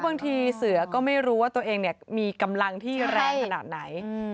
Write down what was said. บางทีเสือก็ไม่รู้ว่าตัวเองมีกำลังที่แรงขนาดไหน